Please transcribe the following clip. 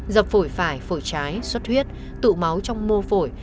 dập phổi phải phổi trái suất huyết tụ máu trong mô phổi